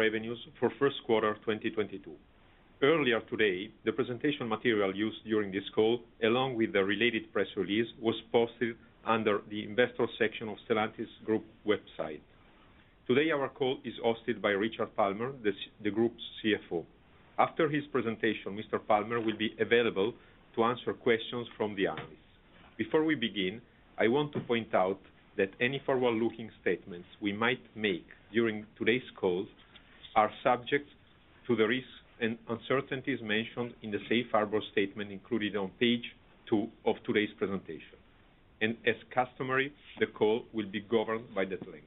Revenues for Q1 2022. Earlier today, the presentation material used during this call, along with the related press release, was posted under the investor section of Stellantis Group's website. Today, our call is hosted by Richard Palmer, the group's CFO. After his presentation, Mr. Palmer will be available to answer questions from the analysts. Before we begin, I want to point out that any forward-looking statements we might make during today's call are subject to the risks and uncertainties mentioned in the safe harbor statement included on Page 2 of today's presentation. As customary, the call will be governed by that language.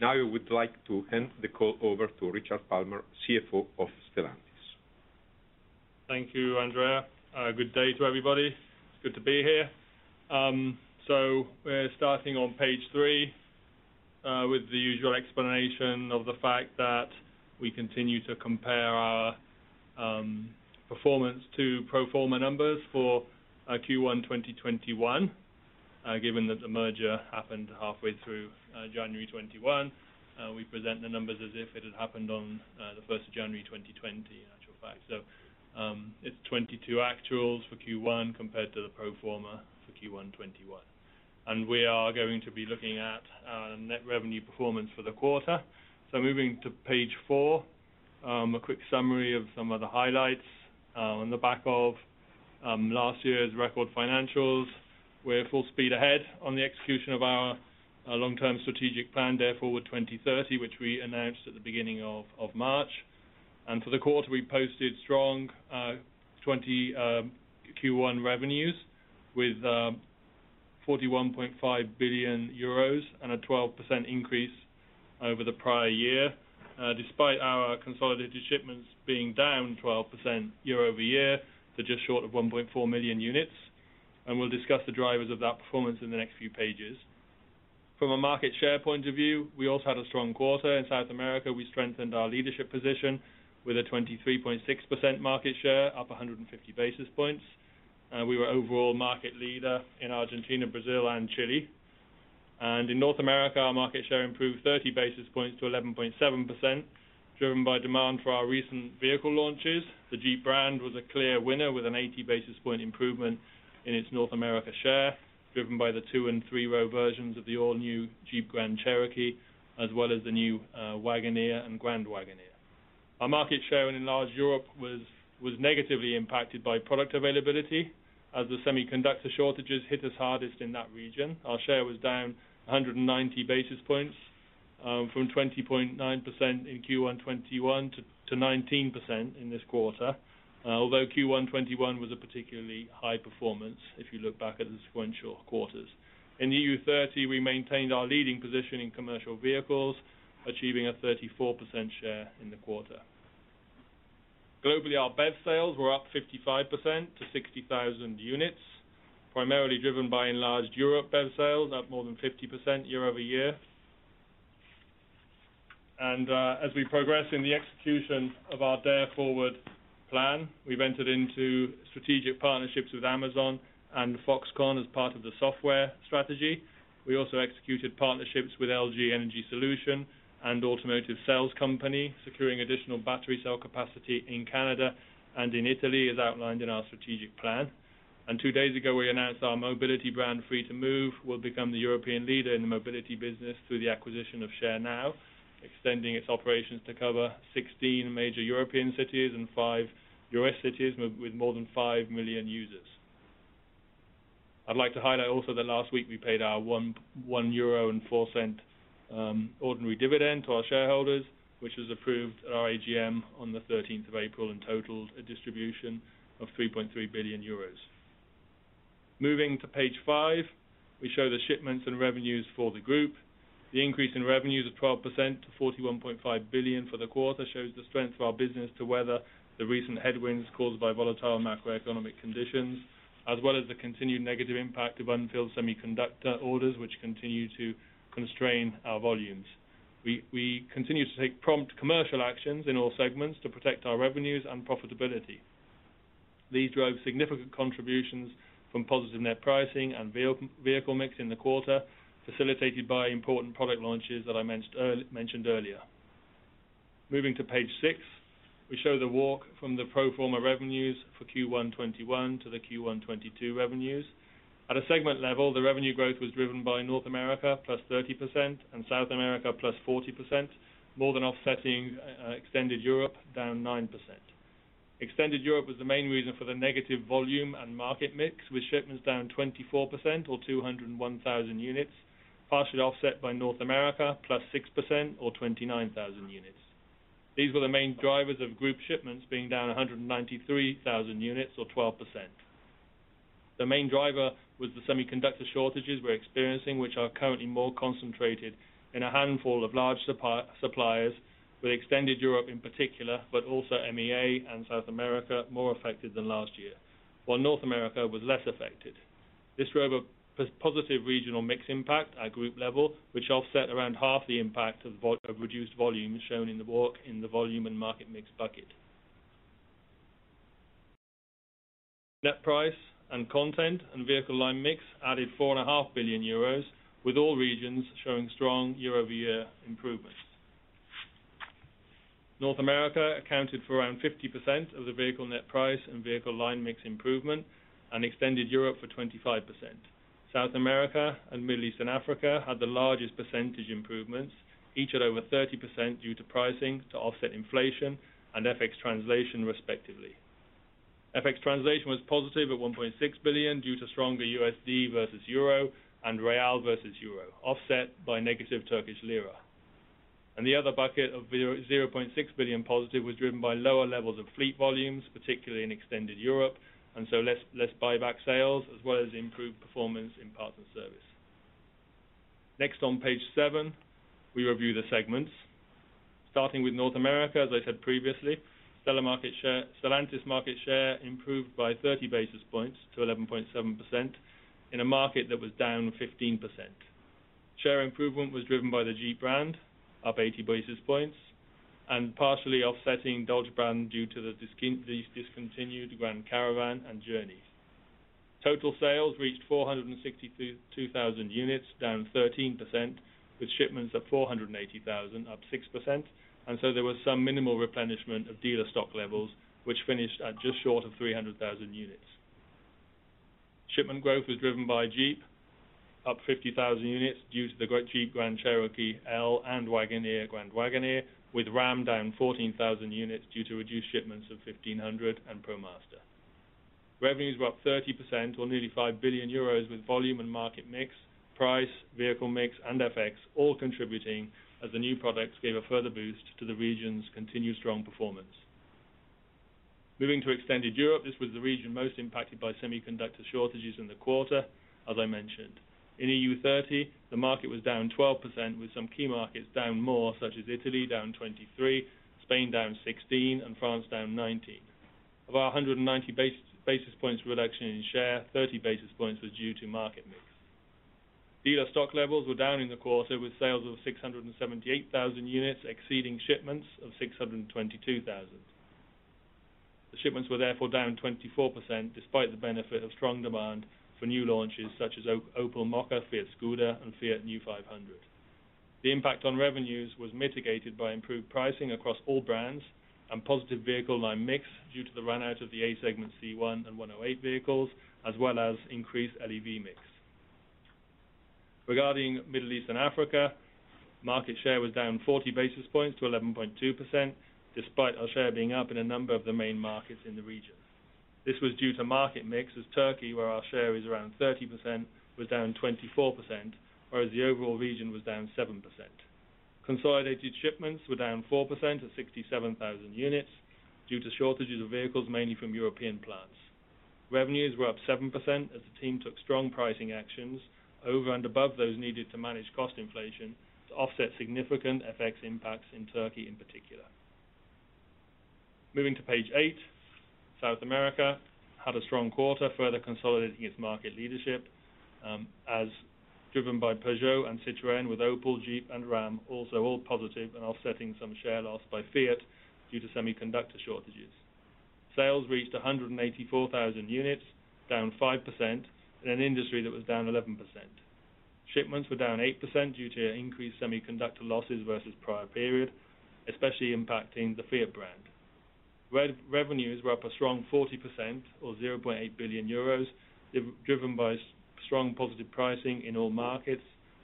Now I would like to hand the call over to Richard Palmer, CFO of Stellantis. Thank you, Andrea. Good day to everybody. It's good to be here. We're starting on Page 3 with the usual explanation of the fact that we continue to compare our performance to pro forma numbers for Q1 2021. Given that the merger happened halfway through January 2021, we present the numbers as if it had happened on the first of January 2020, in actual fact. It's 2022 actuals for Q1 compared to the pro forma for Q1 2021. We are going to be looking at our net revenue performance for the quarter. Moving to Page 4, a quick summary of some of the highlights on the back of last year's record financials. We're full speed ahead on the execution of our long-term strategic plan, Dare Forward 2030, which we announced at the beginning of March. For the quarter, we posted strong Q1 revenues with 41.5 billion euros and a 12% increase over the prior year, despite our consolidated shipments being down 12% year-over-year to just short of 1.4 million units. We'll discuss the drivers of that performance in the next few pages. From a market share point of view, we also had a strong quarter. In South America, we strengthened our leadership position with a 23.6% market share, up 150 basis points. We were overall market leader in Argentina, Brazil, and Chile. In North America, our market share improved 30 basis points to 11.7%, driven by demand for our recent vehicle launches. The Jeep brand was a clear winner with an 80 basis point improvement in its North America share, driven by the 2- and 3-row versions of the all-new Jeep Grand Cherokee, as well as the new Wagoneer and Grand Wagoneer. Our market share in enlarged Europe was negatively impacted by product availability as the semiconductor shortages hit us hardest in that region. Our share was down 190 basis points from 20.9% in Q1 2021 to 19% in this quarter, although Q1 2021 was a particularly high performance if you look back at the sequential quarters. In EU30, we maintained our leading position in commercial vehicles, achieving a 34% share in the quarter. Globally, our BEV sales were up 55% to 60,000 units, primarily driven by enlarged Europe BEV sales, up more than 50% year-over-year. As we progress in the execution of our Dare Forward plan, we've entered into strategic partnerships with Amazon and Foxconn as part of the software strategy. We also executed partnerships with LG Energy Solution and Automotive Cells Company, securing additional battery cell capacity in Canada and in Italy, as outlined in our strategic plan. Two days ago, we announced our mobility brand, Free2move, will become the European leader in the mobility business through the acquisition of Share Now, extending its operations to cover 16 major European cities and five U.S. cities with more than 5 million users. I'd like to highlight also that last week we paid our 1.04 euro ordinary dividend to our shareholders, which was approved at our AGM on the 13th of April, and totals a distribution of 3.3 billion euros. Moving to Page 5, we show the shipments and revenues for the group. The increase in revenues of 12% to 41.5 billion for the quarter shows the strength of our business to weather the recent headwinds caused by volatile macroeconomic conditions, as well as the continued negative impact of unfilled semiconductor orders, which continue to constrain our volumes. We continue to take prompt commercial actions in all segments to protect our revenues and profitability. These drove significant contributions from positive net pricing and vehicle mix in the quarter, facilitated by important product launches that I mentioned earlier. Moving to Page 6, we show the walk from the pro forma revenues for Q1 2021 to the Q1 2022 revenues. At a segment level, the revenue growth was driven by North America, +30%, and South America, +40%, more than offsetting extended Europe, -9%. Extended Europe was the main reason for the negative volume and market mix, with shipments down -24% or 201,000 units, partially offset by North America, +6% or 29,000 units. These were the main drivers of group shipments being down 193,000 units or 12%. The main driver was the semiconductor shortages we're experiencing, which are currently more concentrated in a handful of large suppliers with Enlarged Europe in particular, but also MEA and South America more affected than last year, while North America was less affected. This drove a positive regional mix impact at group level, which offset around half the impact of reduced volumes shown in the walk in the volume and market mix bucket. Net price and content and vehicle line mix added 4.5 billion euros, with all regions showing strong year-over-year improvements. North America accounted for around 50% of the vehicle net price and vehicle line mix improvement, and Enlarged Europe for 25%. South America and Middle East and Africa had the largest percentage improvements, each at over 30% due to pricing to offset inflation and FX translation, respectively. FX translation was positive at 1.6 billion due to stronger USD versus euro and real versus euro, offset by negative Turkish lira. The other bucket of 0.6 billion positive was driven by lower levels of fleet volumes, particularly in extended Europe, so less buyback sales as well as improved performance in parts and service. Next on Page 7, we review the segments. Starting with North America, as I said previously, Stellantis market share improved by 30 basis points to 11.7% in a market that was down 15%. Share improvement was driven by the Jeep brand, up 80 basis points, and partially offsetting Dodge brand due to the discontinued Grand Caravan and Journey. Total sales reached 462,000 units, down 13%, with shipments of 480,000, up 6%. There was some minimal replenishment of dealer stock levels, which finished at just short of 300,000 units. Shipment growth was driven by Jeep, up 50,000 units due to the great Jeep Grand Cherokee L and Wagoneer Grand Wagoneer, with Ram down 14,000 units due to reduced shipments of Ram 1500 and ProMaster. Revenues were up 30% or nearly 5 billion euros with volume and market mix, price, vehicle mix and FX all contributing as the new products gave a further boost to the region's continued strong performance. Moving to Enlarged Europe, this was the region most impacted by semiconductor shortages in the quarter, as I mentioned. In EU30, the market was down 12%, with some key markets down more, such as Italy down 23%, Spain down 16%, and France down 19%. Of our 190 basis points reduction in share, 30 basis points was due to market mix. Dealer stock levels were down in the quarter, with sales of 678,000 units exceeding shipments of 622,000. The shipments were therefore down 24% despite the benefit of strong demand for new launches such as Opel Mokka, Fiat Scudo, and Fiat New 500. The impact on revenues was mitigated by improved pricing across all brands and positive vehicle line mix due to the run out of the A-segment C1 and 108 vehicles, as well as increased LEV mix. Regarding Middle East and Africa, market share was down 40 basis points to 11.2%, despite our share being up in a number of the main markets in the region. This was due to market mix with Turkey, where our share is around 30%, was down 24%, whereas the overall region was down 7%. Consolidated shipments were down 4% to 67,000 units due to shortages of vehicles mainly from European plants. Revenues were up 7% as the team took strong pricing actions over and above those needed to manage cost inflation to offset significant FX impacts in Turkey in particular. Moving to Page 8, South America had a strong quarter, further consolidating its market leadership, as driven by Peugeot and Citroën, with Opel, Jeep and Ram also all positive and offsetting some share loss by Fiat due to semiconductor shortages. Sales reached 184,000 units, down 5% in an industry that was down 11%. Shipments were down 8% due to increased semiconductor losses versus prior period, especially impacting the Fiat brand. Revenues were up a strong 40% or 0.8 billion euros, driven by strong positive pricing in all markets,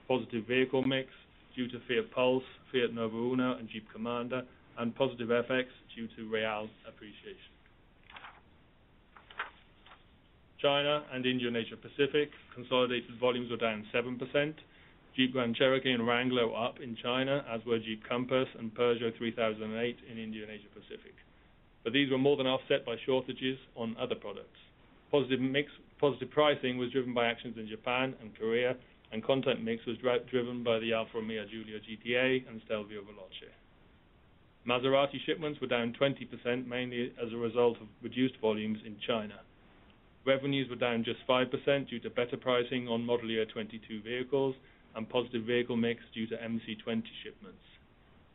positive vehicle mix due to Fiat Pulse, Fiat Novo Uno, and Jeep Commander, and positive FX due to real appreciation. China and India-Asia Pacific consolidated volumes were down 7%. Jeep Grand Cherokee and Wrangler were up in China, as were Jeep Compass and Peugeot 3008 in India and Asia Pacific. These were more than offset by shortages on other products. Positive pricing was driven by actions in Japan and Korea, and content mix was driven by the Alfa Romeo Giulia GTA and Stelvio Veloce. Maserati shipments were down 20%, mainly as a result of reduced volumes in China. Revenues were down just 5% due to better pricing on model year 2022 vehicles and positive vehicle mix due to MC20 shipments.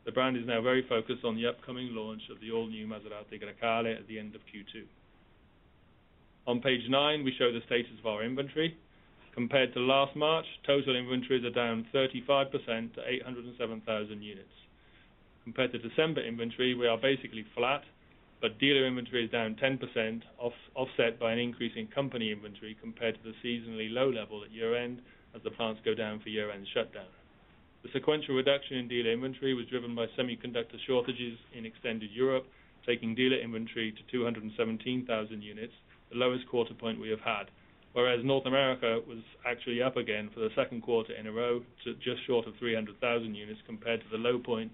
The brand is now very focused on the upcoming launch of the all-new Maserati Grecale at the end of Q2. On Page 9, we show the status of our inventory. Compared to last March, total inventories are down 35% to 807,000 units. Compared to December inventory, we are basically flat, but dealer inventory is down 10% offset by an increase in company inventory compared to the seasonally low level at year-end as the plants go down for year-end shutdown. The sequential reduction in dealer inventory was driven by semiconductor shortages in Enlarged Europe, taking dealer inventory to 217,000 units, the lowest quarter point we have had. Whereas North America was actually up again for the Q2 in a row to just short of 300,000 units compared to the low point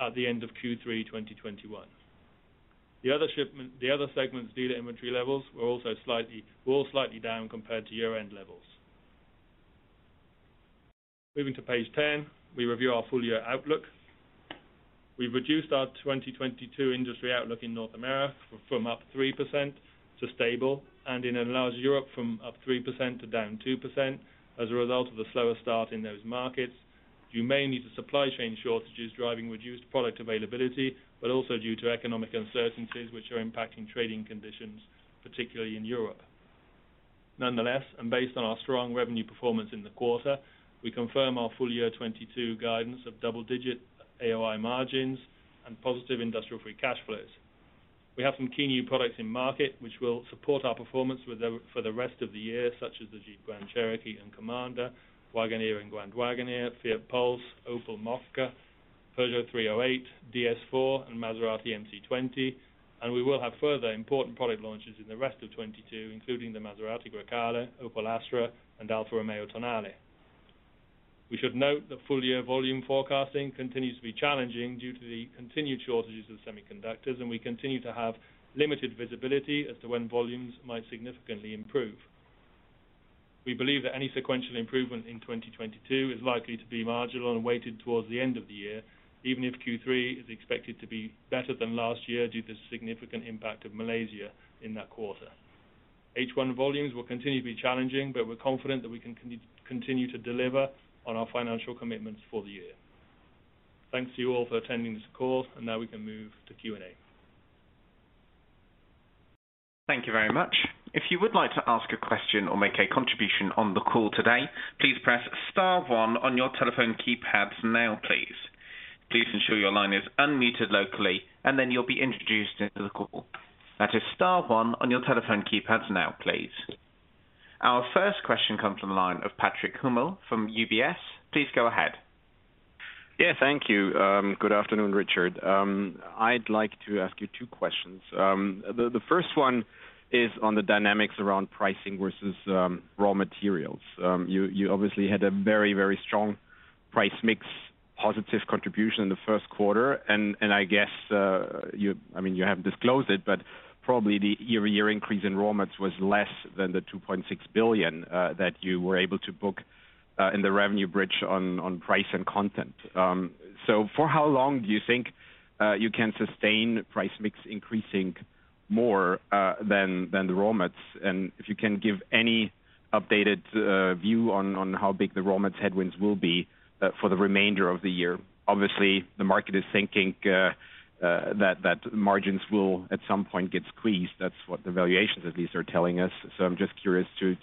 at the end of Q3 2021. The other segment's dealer inventory levels were all slightly down compared to year-end levels. Moving to Page 10, we review our full year outlook. We've reduced our 2022 industry outlook in North America from up 3% to stable, and in Enlarged Europe from up 3% to down 2% as a result of the slower start in those markets due to the supply chain shortages driving reduced product availability, but also due to economic uncertainties which are impacting trading conditions, particularly in Europe. Nonetheless, based on our strong revenue performance in the quarter, we confirm our full year 2022 guidance of double-digit AOI margins and positive industrial free cash flows. We have some key new products in market which will support our performance for the rest of the year, such as the Jeep Grand Cherokee and Commander, Wagoneer and Grand Wagoneer, Fiat Pulse, Opel Mokka, Peugeot 308, DS 4, and Maserati MC20. We will have further important product launches in the rest of 2022, including the Maserati Grecale, Opel Astra, and Alfa Romeo Tonale. We should note that full year volume forecasting continues to be challenging due to the continued shortages of semiconductors, and we continue to have limited visibility as to when volumes might significantly improve. We believe that any sequential improvement in 2022 is likely to be marginal and weighted towards the end of the year, even if Q3 is expected to be better than last year due to significant impact of Malaysia in that quarter. H1 volumes will continue to be challenging, but we're confident that we can continue to deliver on our financial commitments for the year. Thanks to you all for attending this call, and now we can move to Q&A. Thank you very much. If you would like to ask a question or make a contribution on the call today, please press star one on your telephone keypads now, please. Please ensure your line is unmuted locally, and then you'll be introduced into the call. That is star one on your telephone keypads now, please. Our first question comes from the line of Patrick Hummel from UBS. Please go ahead. Yeah, thank you. Good afternoon, Richard. I'd like to ask you two questions. The first one is on the dynamics around pricing versus raw materials. You obviously had a very, very strong price mix positive contribution in the Q1, and I guess, I mean, you haven't disclosed it, but probably the year-over-year increase in raw mats was less than the 2.6 billion that you were able to book in the revenue bridge on price and content. For how long do you think you can sustain price mix increasing more than the raw mats? If you can give any updated view on how big the raw mats headwinds will be for the remainder of the year. Obviously, the market is thinking that margins will at some point get squeezed. That's what the valuations at least are telling us. I'm just curious to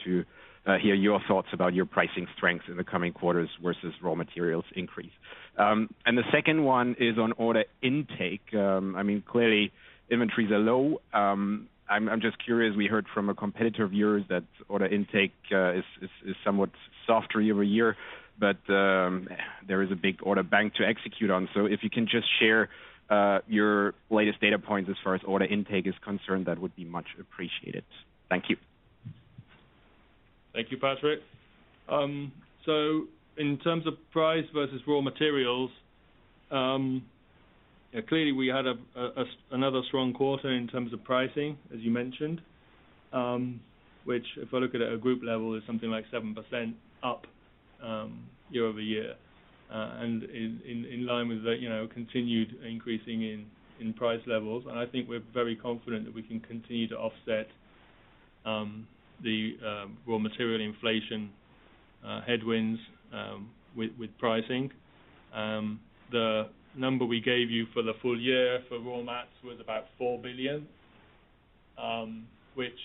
hear your thoughts about your pricing strength in the coming quarters versus raw materials increase. The second one is on order intake. I mean, clearly inventories are low. I'm just curious, we heard from a competitor of yours that order intake is somewhat softer year-over-year, but there is a big order bank to execute on. If you can just share your latest data points as far as order intake is concerned, that would be much appreciated. Thank you. Thank you, Patrick. So in terms of price versus raw materials, clearly we had a another strong quarter in terms of pricing, as you mentioned, which if I look at a group level is something like 7% up, year-over-year, and in line with the, you know, continued increasing in price levels. I think we're very confident that we can continue to offset the raw material inflation headwinds with pricing. The number we gave you for the full year for raw mats was about 4 billion, which,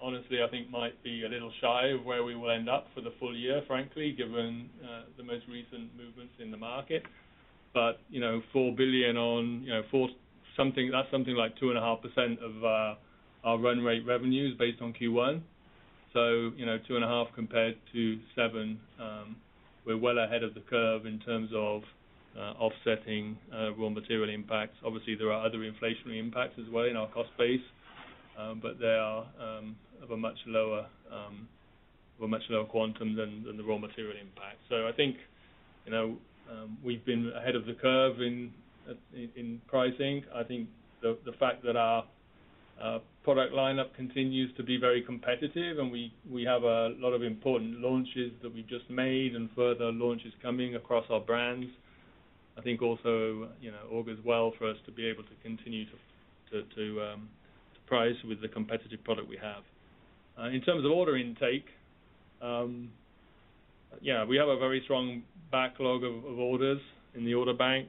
honestly, I think might be a little shy of where we will end up for the full year, frankly, given the most recent movements in the market. You know, 4 billion on, you know, four... That's something like 2.5% of our run rate revenues based on Q1. You know, 2.5 compared to 7, we're well ahead of the curve in terms of offsetting raw material impacts. Obviously, there are other inflationary impacts as well in our cost base, but they are of a much lower quantum than the raw material impact. I think, you know, we've been ahead of the curve in pricing. I think the fact that our product lineup continues to be very competitive and we have a lot of important launches that we just made and further launches coming across our brands. I think also, you know, augurs well for us to be able to continue to price with the competitive product we have. In terms of order intake, we have a very strong backlog of orders in the order bank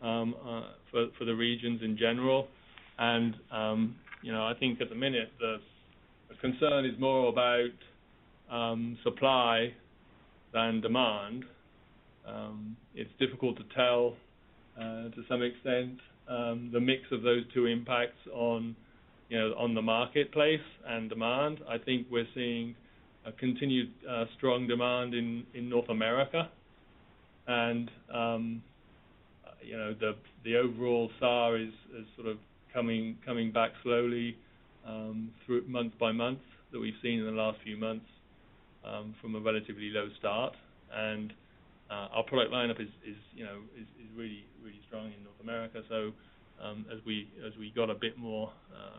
for the regions in general. You know, I think at the minute the concern is more about supply than demand. It's difficult to tell to some extent the mix of those two impacts on, you know, on the marketplace and demand. I think we're seeing a continued strong demand in North America. You know, the overall SAAR is sort of coming back slowly through month by month that we've seen in the last few months from a relatively low start. Our product lineup is, you know, really strong in North America. As we got a bit more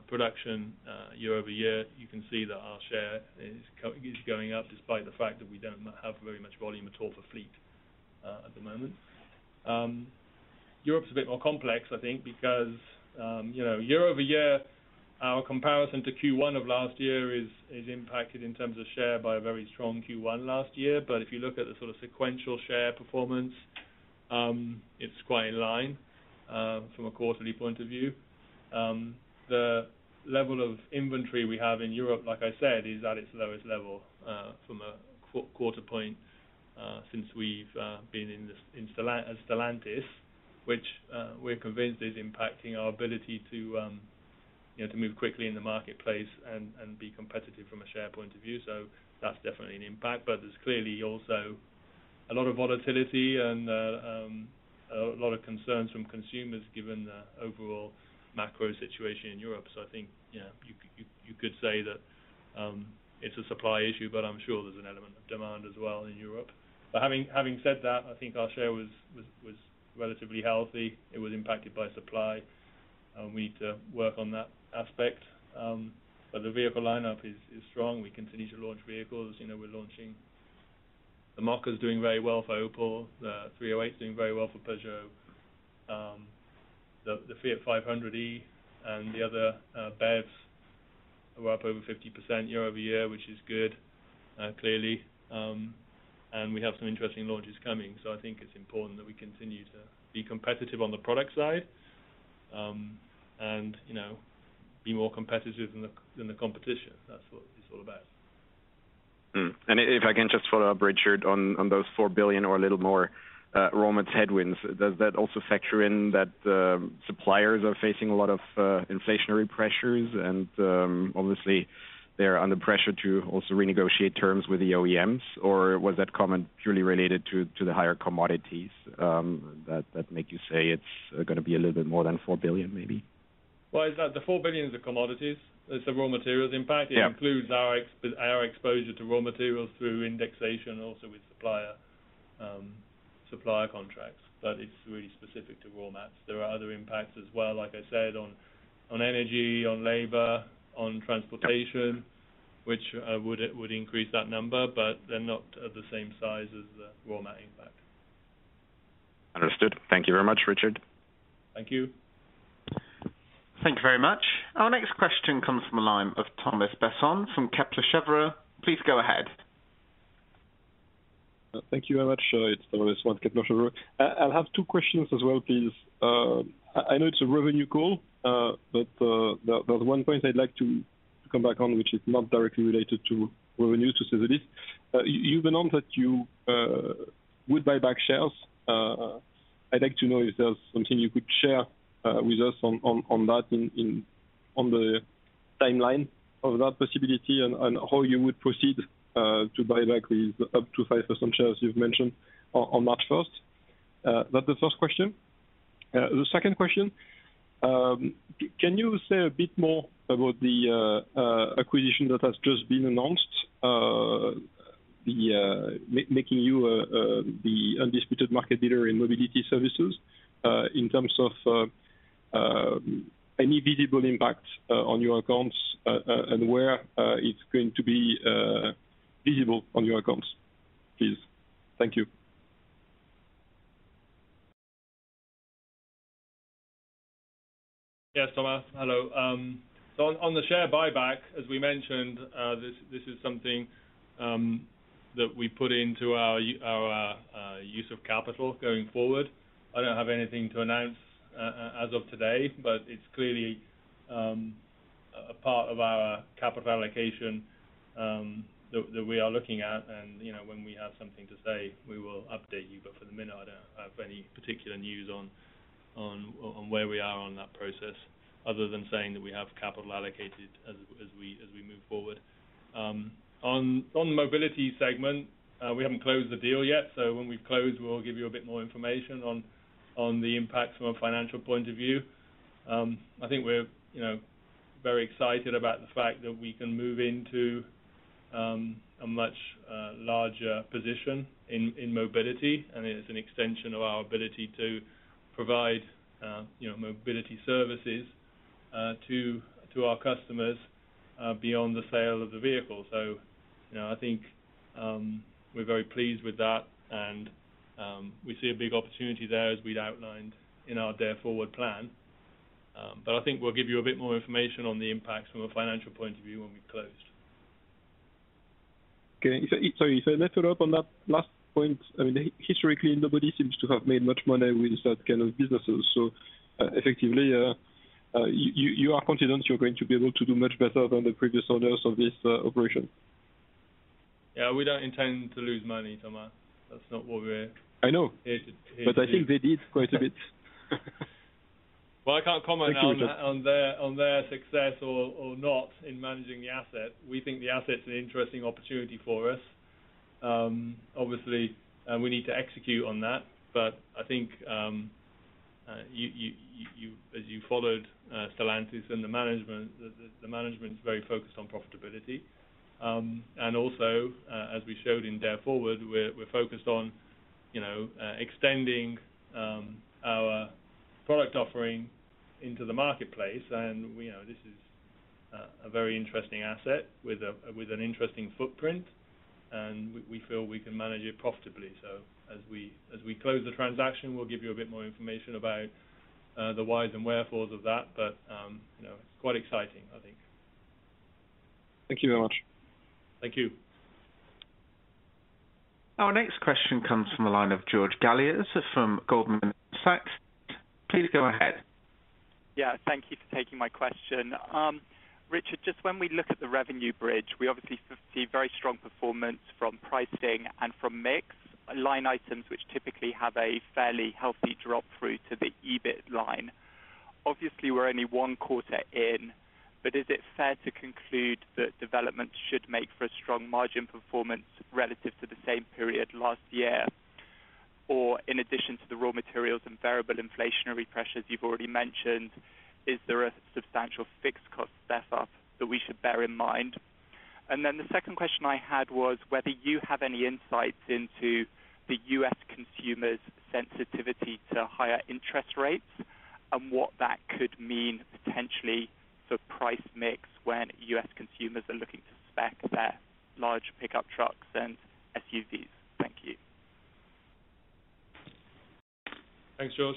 production year-over-year, you can see that our share is going up despite the fact that we don't have very much volume at all for fleet at the moment. Europe's a bit more complex, I think, because, you know, year-over-year, our comparison to Q1 of last year is impacted in terms of share by a very strong Q1 last year. If you look at the sort of sequential share performance, it's quite in line from a quarterly point of view. The level of inventory we have in Europe, like I said, is at its lowest level from a quarter point since we've been in this in Stellantis, which we're convinced is impacting our ability to you know to move quickly in the marketplace and be competitive from a share point of view. That's definitely an impact. There's clearly also a lot of volatility and a lot of concerns from consumers given the overall macro situation in Europe. I think yeah you could say that it's a supply issue, but I'm sure there's an element of demand as well in Europe. Having said that, I think our share was relatively healthy. It was impacted by supply, and we need to work on that aspect. The vehicle lineup is strong. We continue to launch vehicles. You know, we're launching. The Mokka is doing very well for Opel. The 308 is doing very well for Peugeot. The Fiat 500e and the other BEVs were up over 50% year-over-year, which is good, clearly. We have some interesting launches coming. I think it's important that we continue to be competitive on the product side, and, you know, be more competitive than the competition. That's what it's all about. If I can just follow up, Richard, on those 4 billion or a little more raw material headwinds. Does that also factor in that suppliers are facing a lot of inflationary pressures and obviously they're under pressure to also renegotiate terms with the OEMs? Or was that comment purely related to the higher commodities that make you say it's gonna be a little bit more than 4 billion maybe? Well, it's that the 4 billion is the commodities. It's the raw materials. Yeah. In fact, it includes our exposure to raw materials through indexation, also with supplier contracts, but it's really specific to raw mats. There are other impacts as well, like I said, on energy, on labor, on transportation, which would increase that number, but they're not of the same size as the raw mat impact. Understood. Thank you very much, Richard. Thank you. Thank you very much. Our next question comes from the line of Thomas Besson from Kepler Cheuvreux. Please go ahead. Thank you very much. It's Thomas Besson with Kepler Cheuvreux. I have two questions as well, please. I know it's a revenue call, but there's one point I'd like to come back on, which is not directly related to revenue for Stellantis. You've announced that you would buy back shares. I'd like to know if there's something you could share with us on the timeline of that possibility and how you would proceed to buy back these up to 5% shares you've mentioned on March first. That's the first question. The second question, can you say a bit more about the acquisition that has just been announced, making you the undisputed market leader in mobility services, in terms of any visible impact on your accounts, and where it's going to be visible on your accounts, please? Thank you. Yes, Thomas. Hello. On the share buyback, as we mentioned, this is something that we put into our use of capital going forward. I don't have anything to announce as of today, but it's clearly a part of our capital allocation that we are looking at. You know, when we have something to say, we will update you. For the moment, I don't have any particular news on where we are on that process other than saying that we have capital allocated as we move forward. On the mobility segment, we haven't closed the deal yet, so when we've closed, we'll give you a bit more information on the impact from a financial point of view. I think we're, you know, very excited about the fact that we can move into a much larger position in mobility, and it's an extension of our ability to provide, you know, mobility services to our customers beyond the sale of the vehicle. You know, I think we're very pleased with that and we see a big opportunity there as we'd outlined in our Dare Forward plan. I think we'll give you a bit more information on the impact from a financial point of view when we've closed. Okay. If I follow up on that last point, I mean, historically, nobody seems to have made much money with that kind of businesses. Effectively, you are confident you're going to be able to do much better than the previous owners of this operation? Yeah, we don't intend to lose money, Thomas. That's not what we're. I know. Here to do. I think they did quite a bit. Well, I can't comment now on their. Thank you. On their success or not in managing the asset. We think the asset's an interesting opportunity for us. Obviously, we need to execute on that. I think you as you followed Stellantis and the management, the management is very focused on profitability. Also, as we showed in Dare Forward, we're focused on, you know, extending our product offering into the marketplace. You know, this is a very interesting asset with an interesting footprint, and we feel we can manage it profitably. As we close the transaction, we'll give you a bit more information about the whys and wherefores of that. You know, it's quite exciting, I think. Thank you very much. Thank you. Our next question comes from the line of George Galliers from Goldman Sachs. Please go ahead. Yeah, thank you for taking my question. Richard, just when we look at the revenue bridge, we obviously see very strong performance from pricing and from mix, line items which typically have a fairly healthy drop through to the EBIT line. Obviously, we're only one quarter in, but is it fair to conclude that development should make for a strong margin performance relative to the same period last year? Or in addition to the raw materials and variable inflationary pressures you've already mentioned, is there a substantial fixed cost step up that we should bear in mind? The second question I had was whether you have any insights into the U.S. consumers' sensitivity to higher interest rates, and what that could mean potentially for price mix when U.S. consumers are looking to spec their large pickup trucks and SUVs. Thank you. Thanks, George.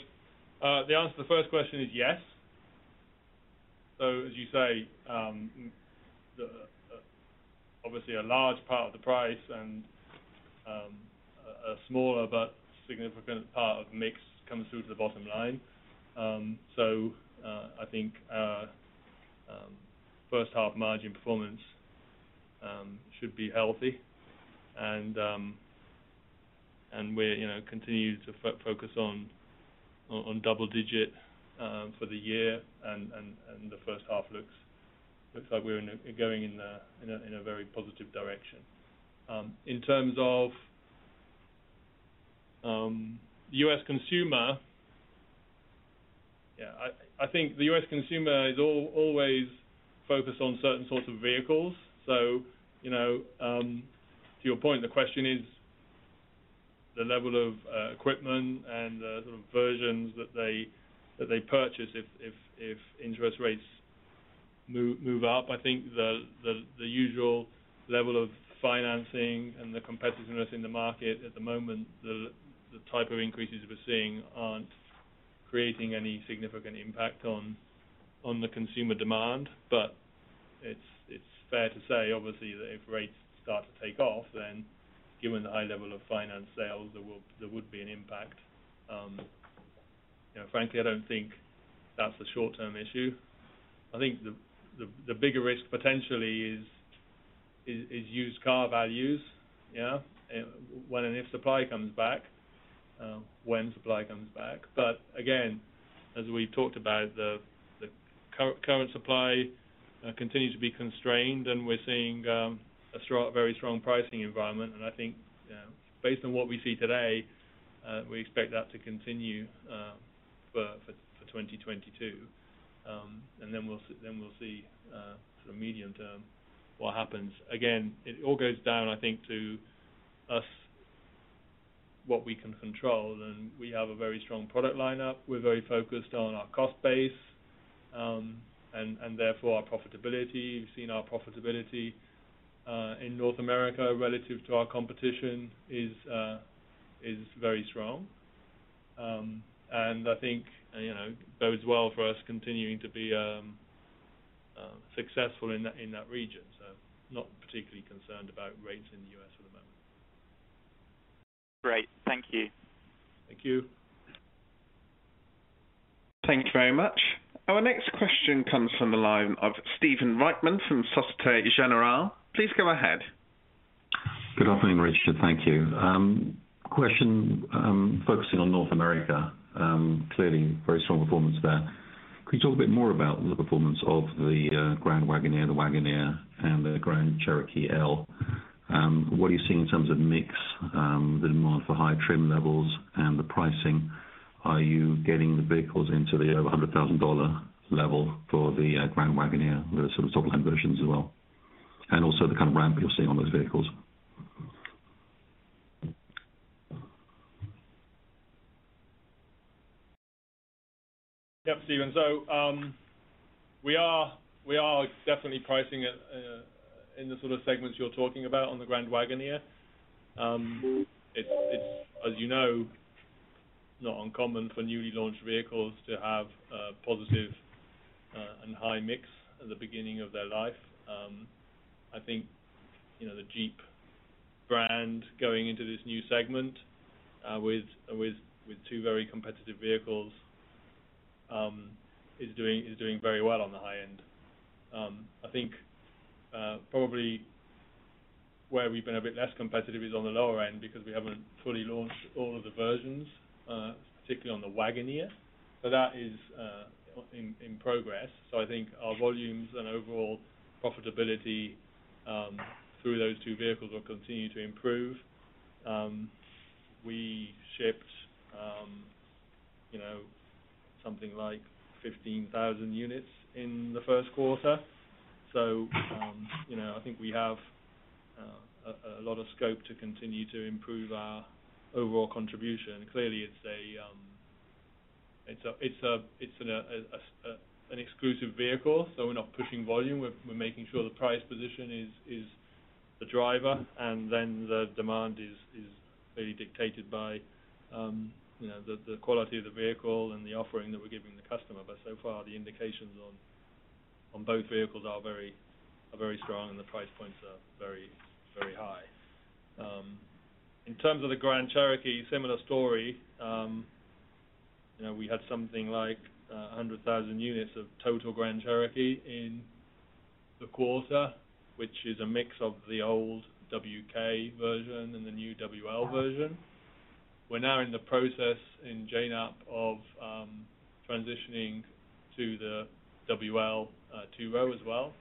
The answer to the first question is yes. As you say, obviously a large part of the price and a smaller but significant part of mix comes through to the bottom line. I think H1 margin performance should be healthy. We continue to focus on double digit for the year and the H1 looks like we're going in a very positive direction. In terms of U.S. consumer, yeah, I think the U.S. consumer is always focused on certain sorts of vehicles. You know, to your point, the question is the level of equipment and the sort of versions that they purchase if interest rates move up. I think the usual level of financing and the competitiveness in the market at the moment, the type of increases we're seeing aren't creating any significant impact on the consumer demand. It's fair to say obviously that if rates start to take off, then given the high level of finance sales, there would be an impact. You know, frankly, I don't think that's a short-term issue. I think the bigger risk potentially is used car values. When and if supply comes back. But again, as we talked about the current supply continues to be constrained, and we're seeing a very strong pricing environment. I think, based on what we see today, we expect that to continue for 2022. We'll see sort of medium-term what happens. Again, it all goes down, I think, to us, what we can control, and we have a very strong product lineup. We're very focused on our cost base, and therefore our profitability. We've seen our profitability in North America relative to our competition is very strong. I think, you know, bodes well for us continuing to be successful in that region. Not particularly concerned about rates in the U.S. at the moment. Great. Thank you. Thank you. Thank you very much. Our next question comes from the line of Stephen Reitman from Societe Generale. Please go ahead. Good afternoon, Richard. Thank you. Question, focusing on North America, clearly very strong performance there. Could you talk a bit more about the performance of the Grand Wagoneer, the Wagoneer and the Grand Cherokee L? What are you seeing in terms of mix, the demand for high trim levels and the pricing? Are you getting the vehicles into the over $100,000 level for the Grand Wagoneer, the sort of top-line versions as well? Also the kind of ramp you're seeing on those vehicles. Yeah, Stephen. We are definitely pricing it in the sort of segments you're talking about on the Grand Wagoneer. It's, as you know, not uncommon for newly launched vehicles to have positive and high mix at the beginning of their life. I think, you know, the Jeep brand going into this new segment with two very competitive vehicles is doing very well on the high end. I think probably where we've been a bit less competitive is on the lower end because we haven't fully launched all of the versions particularly on the Wagoneer. That is in progress. I think our volumes and overall profitability through those two vehicles will continue to improve. We shipped, you know, something like 15,000 units in the Q1. You know, I think we have a lot of scope to continue to improve our overall contribution. Clearly, it's an exclusive vehicle, so we're not pushing volume. We're making sure the price position is the driver, and then the demand is really dictated by, you know, the quality of the vehicle and the offering that we're giving the customer. But so far, the indications on both vehicles are very strong, and the price points are very high. In terms of the Grand Cherokee, similar story. You know, we had something like 100,000 units of total Grand Cherokee in the quarter, which is a mix of the old WK version and the new WL version. We're now in the process in JNAP of transitioning to the WL two-row as well.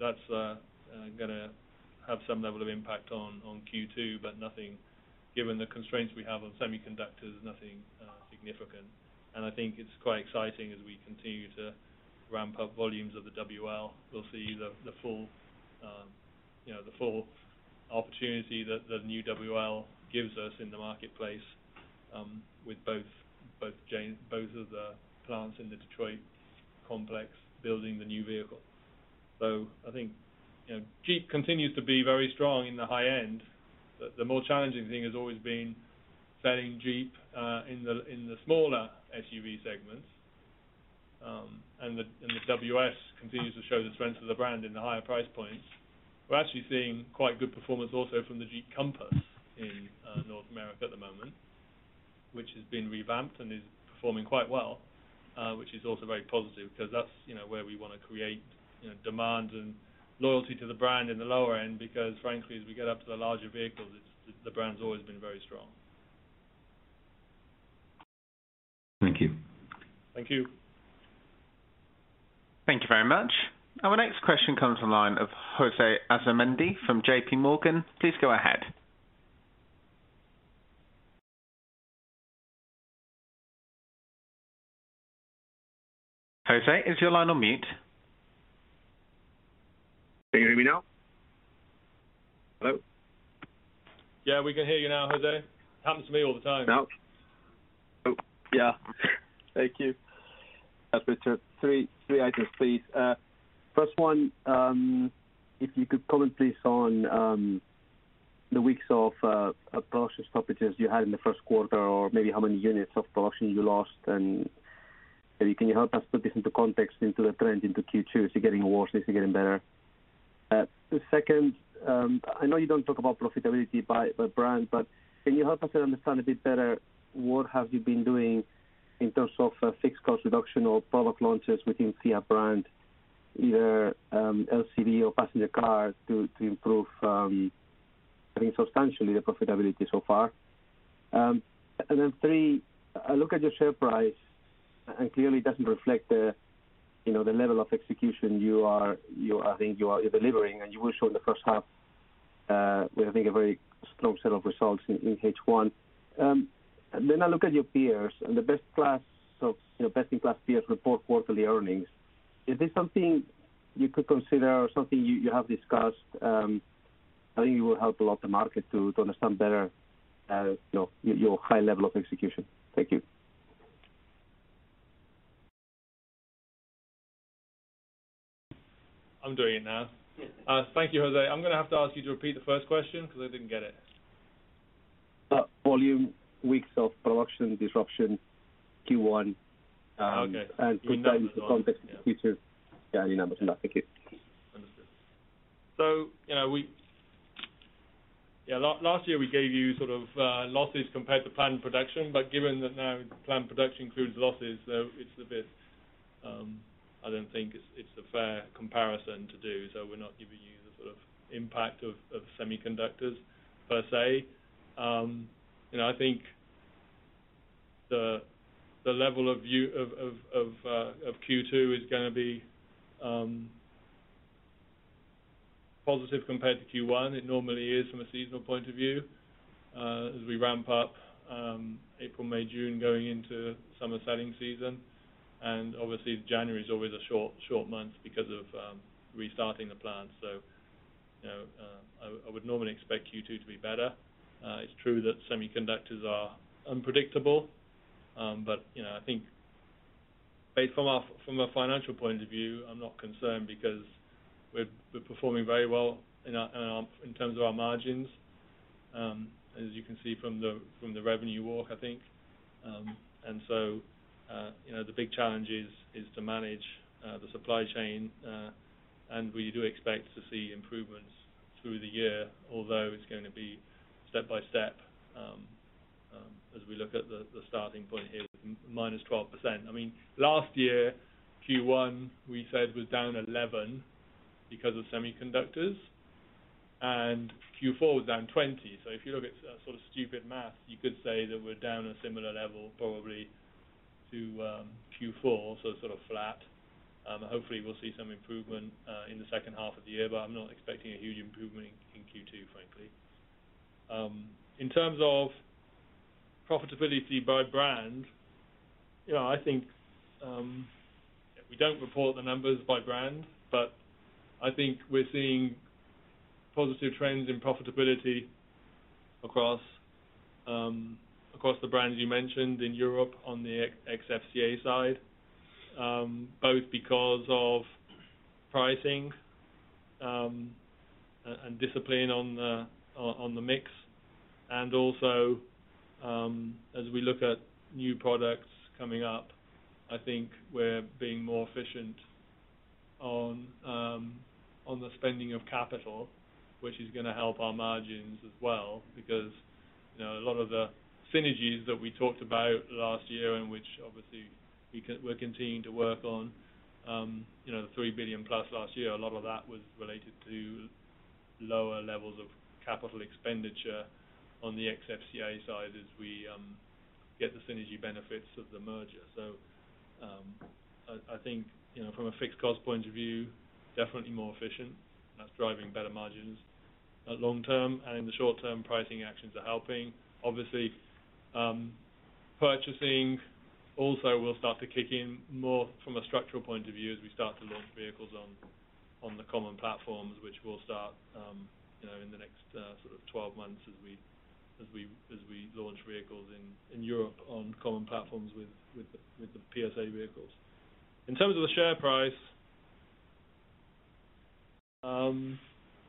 That's gonna have some level of impact on Q2, but nothing significant. Given the constraints we have on semiconductors, nothing significant. I think it's quite exciting as we continue to ramp up volumes of the WL. We'll see the full, you know, the full opportunity that the new WL gives us in the marketplace with both of the plants in the Detroit complex building the new vehicle. You know, Jeep continues to be very strong in the high end. The more challenging thing has always been selling Jeep in the smaller SUV segments. The WS continues to show the strength of the brand in the higher price points. We're actually seeing quite good performance also from the Jeep Compass in North America at the moment, which has been revamped and is performing quite well, which is also very positive because that's, you know, where we wanna create, you know, demand and loyalty to the brand in the lower end. Because frankly, as we get up to the larger vehicles, it's the brand's always been very strong. Thank you. Thank you. Thank you very much. Our next question comes from the line of José Asumendi from JPMorgan Chase & Co. Please go ahead. José, is your line on mute? Can you hear me now? Hello? Yeah, we can hear you now, José. Happens to me all the time. Now? Oh, yeah. Thank you. Hi, Richard. Three items, please. First one, if you could comment please on the weeks of production stoppages you had in the Q1 or maybe how many units of production you lost. Maybe can you help us put this into context into the trend into Q2, is it getting worse, is it getting better? Second, I know you don't talk about profitability by brand, but can you help us understand a bit better what have you been doing in terms of fixed cost reduction or product launches within Fiat brand, either LCV or passenger cars to improve, I think substantially the profitability so far. Three, I look at your share price, and clearly it doesn't reflect the, you know, the level of execution you are delivering, and you will show in the H1 what I think a very strong set of results in H1. I look at your peers and the best class of, you know, best-in-class peers report quarterly earnings. Is this something you could consider or something you have discussed? I think it will help a lot the market to understand better your high level of execution. Thank you. I'm doing it now. Thank you, José. I'm gonna have to ask you to repeat the first question 'cause I didn't get it. Volume, weeks of production disruption, Q1. Okay. Put that into context in the future. Yeah, in numbers. That's it. Understood. You know, yeah, last year we gave you sort of losses compared to planned production. Given that now planned production includes losses, though, it's a bit. I don't think it's a fair comparison to do. We're not giving you the sort of impact of semiconductors per se. You know, I think the level of Q2 is gonna be positive compared to Q1. It normally is from a seasonal point of view, as we ramp up April, May, June going into summer selling season. Obviously January is always a short month because of restarting the plant. You know, I would normally expect Q2 to be better. It's true that semiconductors are unpredictable. You know, I think based from a financial point of view, I'm not concerned because we're performing very well in terms of our margins, as you can see from the revenue walk, I think. You know, the big challenge is to manage the supply chain. We do expect to see improvements through the year, although it's gonna be step-by-step, as we look at the starting point here with minus 12%. I mean, last year, Q1 we said was down 11% because of semiconductors, and Q4 was down 20%. If you look at sort of stupid math, you could say that we're down a similar level probably to Q4, so sort of flat. Hopefully we'll see some improvement in the H2 of the year, but I'm not expecting a huge improvement in Q2, frankly. In terms of profitability by brand, you know, I think we don't report the numbers by brand, but I think we're seeing positive trends in profitability across the brands you mentioned in Europe on the ex-FCA side, both because of pricing and discipline on the mix. As we look at new products coming up, I think we're being more efficient on the spending of capital, which is gonna help our margins as well, because, you know, a lot of the synergies that we talked about last year in which obviously we're continuing to work on, you know, the 3 billion-plus last year, a lot of that was related to lower levels of capital expenditure on the ex-FCA side as we get the synergy benefits of the merger. I think, you know, from a fixed cost point of view, definitely more efficient, and that's driving better margins at long term, and in the short term, pricing actions are helping. Obviously, purchasing also will start to kick in more from a structural point of view as we start to launch vehicles on the common platforms, which will start, you know, in the next sort of 12 months as we launch vehicles in Europe on common platforms with the PSA vehicles. In terms of the share price,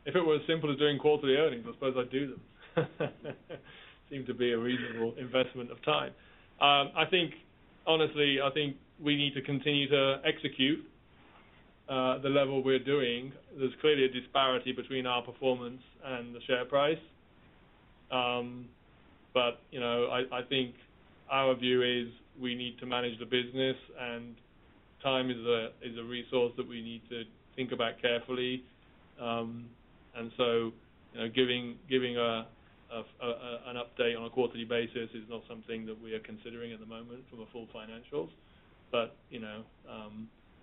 if it were as simple as doing quarterly earnings, I suppose I'd do them. Seemed to be a reasonable investment of time. I think, honestly, I think we need to continue to execute the level we're doing. There's clearly a disparity between our performance and the share price. You know, I think our view is we need to manage the business, and time is a resource that we need to think about carefully. You know, giving an update on a quarterly basis is not something that we are considering at the moment from a full financials. You know,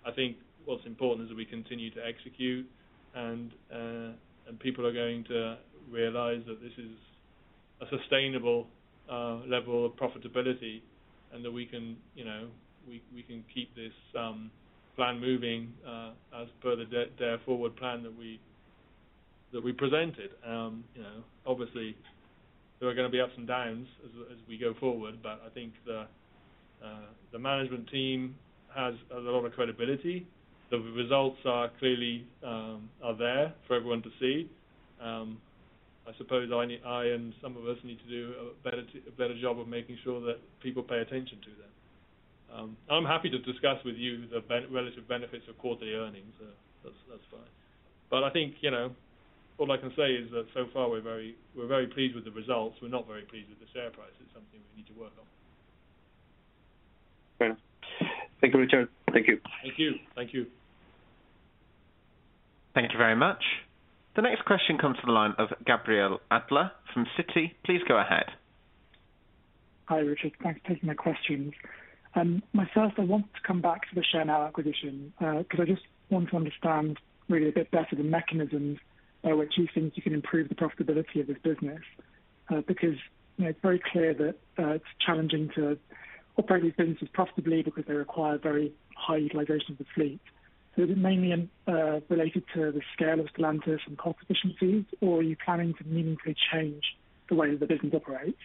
I think what's important is that we continue to execute and people are going to realize that this is a sustainable level of profitability and that we can, you know, we can keep this plan moving as per the Dare Forward plan that we presented. You know, obviously there are gonna be ups and downs as we go forward, but I think the management team has a lot of credibility. The results are clearly there for everyone to see. I suppose I and some of us need to do a better job of making sure that people pay attention to that. I'm happy to discuss with you the relative benefits of quarterly earnings. That's fine. I think, you know, all I can say is that so far we're very pleased with the results. We're not very pleased with the share price. It's something we need to work on. Fair enough. Thank you, Richard. Thank you. Thank you. Thank you. Thank you very much. The next question comes from the line of Gabriel Adler from Citigroup, Inc. Please go ahead. Hi, Richard. Thanks for taking my questions. Myself, I want to come back to the Share Now acquisition, 'cause I just want to understand really a bit better the mechanisms by which you think you can improve the profitability of this business, because, you know, it's very clear that, it's challenging to operate these businesses profitably because they require very high utilization of the fleet. Is it mainly related to the scale of Stellantis and cost efficiencies, or are you planning to meaningfully change the way that the business operates?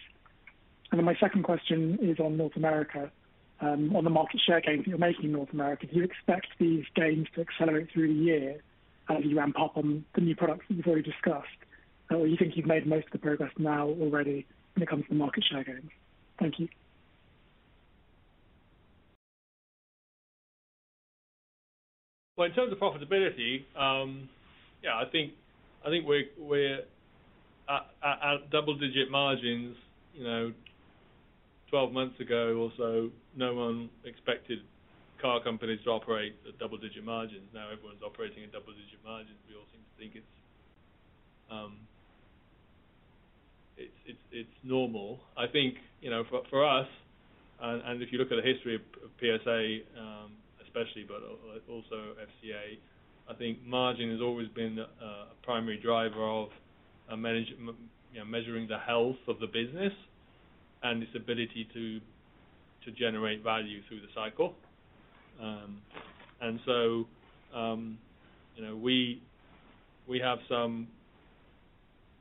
My second question is on North America. On the market share gains that you're making in North America, do you expect these gains to accelerate through the year as you ramp up on the new products that you've already discussed? You think you've made most of the progress now already when it comes to market share gains? Thank you. Well, in terms of profitability, yeah, I think we're at double-digit margins. You know, 12 months ago or so, no one expected car companies to operate at double-digit margins. Now everyone's operating at double-digit margins. We all seem to think it's normal. I think, you know, for us, and if you look at the history of PSA, especially, but also FCA, I think margin has always been a primary driver of, you know, measuring the health of the business and its ability to generate value through the cycle. You know, we have some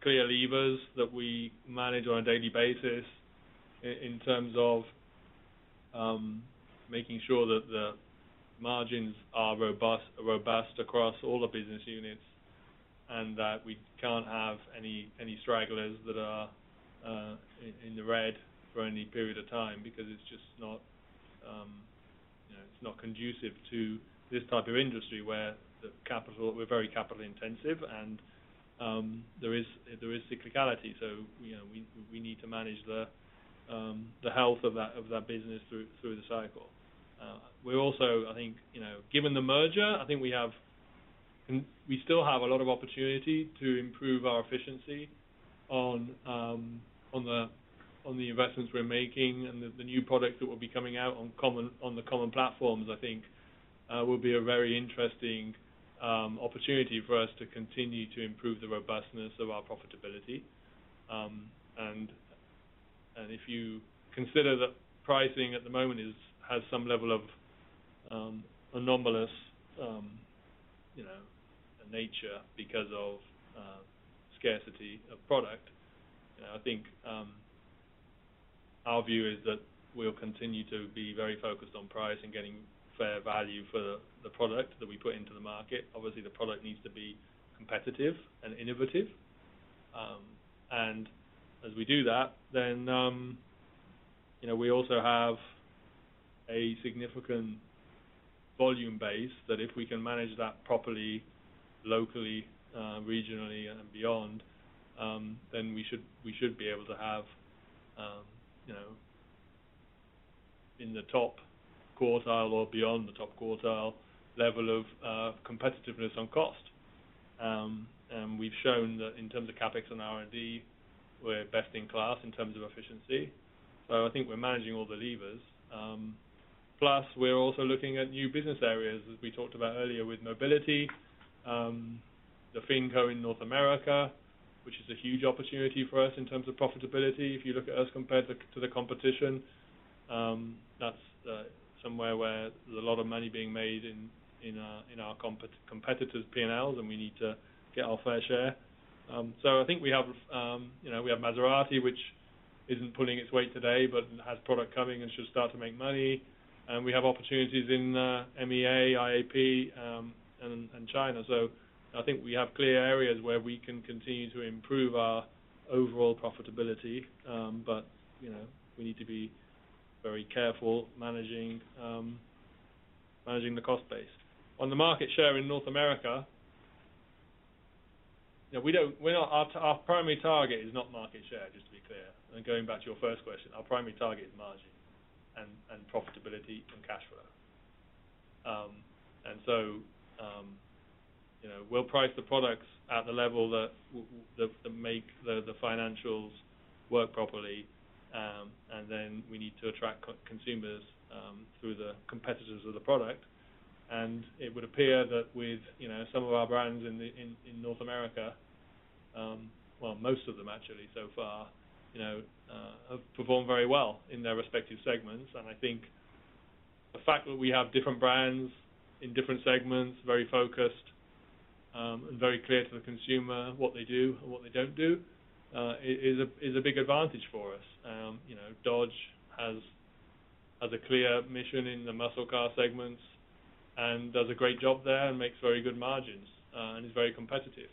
clear levers that we manage on a daily basis in terms of making sure that the margins are robust across all the business units and that we can't have any stragglers that are in the red for any period of time because it's just not, you know, it's not conducive to this type of industry where we are very capital intensive and there is cyclicality. You know, we need to manage the health of that business through the cycle. We also, I think, you know, given the merger, I think we still have a lot of opportunity to improve our efficiency on the investments we're making and the new products that will be coming out on the common platforms, I think, will be a very interesting opportunity for us to continue to improve the robustness of our profitability. If you consider that pricing at the moment has some level of anomalous, you know, nature because of scarcity of product, I think our view is that we'll continue to be very focused on price and getting fair value for the product that we put into the market. Obviously, the product needs to be competitive and innovative. As we do that, then, you know, we also have a significant volume base that if we can manage that properly, locally, regionally and beyond, then we should be able to have, you know, in the top quartile or beyond the top quartile level of competitiveness on cost. We've shown that in terms of CapEx and R&D, we're best in class in terms of efficiency. I think we're managing all the levers. Plus, we're also looking at new business areas, as we talked about earlier with mobility, the Finco in North America, which is a huge opportunity for us in terms of profitability. If you look at us compared to the competition, that's somewhere where there's a lot of money being made in our competitors' P&Ls, and we need to get our fair share. I think we have, you know, we have Maserati, which isn't pulling its weight today, but has product coming and should start to make money. We have opportunities in MEA, IAP, and China. I think we have clear areas where we can continue to improve our overall profitability, but, you know, we need to be very careful managing the cost base. On the market share in North America, you know, our primary target is not market share, just to be clear. Going back to your first question, our primary target is margin and profitability and cash flow. You know, we'll price the products at the level that make the financials work properly, and then we need to attract consumers through the competitiveness of the product. It would appear that with you know some of our brands in North America, well, most of them actually so far, you know have performed very well in their respective segments. I think the fact that we have different brands in different segments, very focused, and very clear to the consumer, what they do and what they don't do, is a big advantage for us. You know, Dodge has a clear mission in the muscle car segments and does a great job there and makes very good margins, and is very competitive.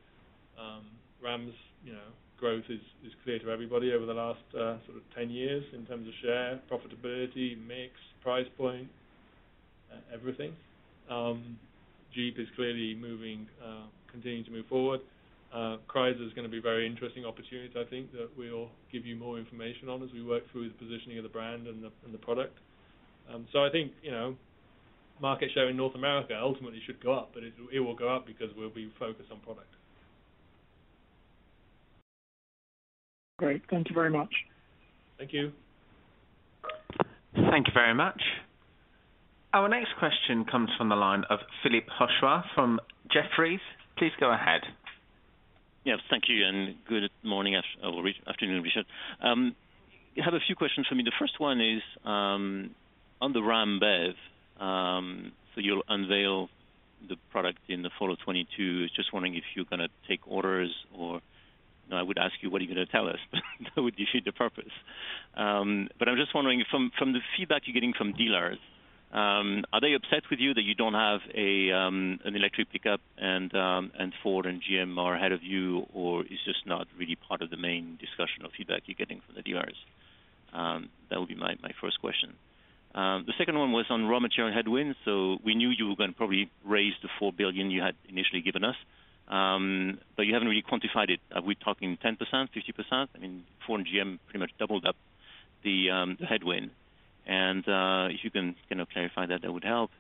Ram's, you know, growth is clear to everybody over the last, sort of 10 years in terms of share, profitability, mix, price point, everything. Jeep is clearly moving, continuing to move forward. Chrysler is gonna be a very interesting opportunity, I think, that we'll give you more information on as we work through the positioning of the brand and the product. I think, you know, market share in North America ultimately should go up, but it will go up because we'll be focused on product. Great. Thank you very much. Thank you. Thank you very much. Our next question comes from the line of Philippe Houchois from Jefferies Financial Group Inc. Please go ahead. Yes, thank you, and good morning, or afternoon, Richard. You have a few questions for me. The first one is on the Ram BEV, so you'll unveil the product in the fall of 2022. Just wondering if you're gonna take orders or I would ask you, what are you gonna tell us? That would defeat the purpose. But I'm just wondering from the feedback you're getting from dealers, are they upset with you that you don't have an electric pickup and Ford and GM are ahead of you, or it's just not really part of the main discussion or feedback you're getting from the dealers? That would be my first question. The second one was on raw material headwinds. We knew you were gonna probably raise the 4 billion you had initially given us, but you haven't really quantified it. Are we talking 10%, 50%? I mean, Ford and GM pretty much doubled up the headwind. If you can, you know, clarify that would help.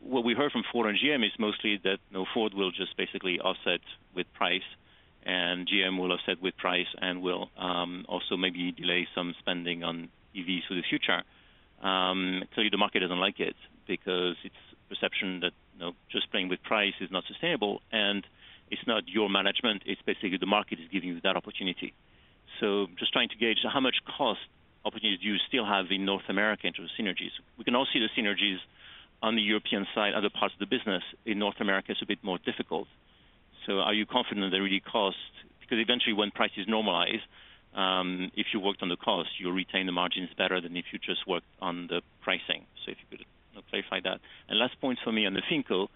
What we heard from Ford and GM is mostly that, you know, Ford will just basically offset with price, and GM will offset with price and will also maybe delay some spending on EVs for the future. I'll tell you the market doesn't like it because it's perception that, you know, just playing with price is not sustainable, and it's not your management, it's basically the market is giving you that opportunity. Just trying to gauge how much cost opportunities you still have in North America in terms of synergies. We can all see the synergies on the European side, other parts of the business. In North America, it's a bit more difficult. Are you confident that really cost, because eventually when price is normalized, if you worked on the cost, you retain the margins better than if you just worked on the pricing. If you could clarify that. Last point for me on the Finco,